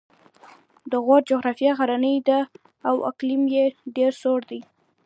د غور جغرافیه غرنۍ ده او اقلیم یې ډېر سوړ دی